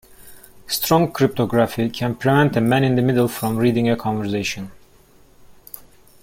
Strong cryptography can prevent a man in the middle from reading a conversation.